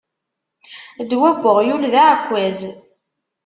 Ddwa n uɣyul d aɛekkaz.